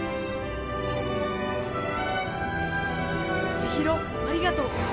千尋ありがとう。